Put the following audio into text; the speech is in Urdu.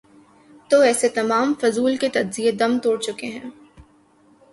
تو ایسے تمام فضول کے تجزیے دم توڑ چکے ہیں۔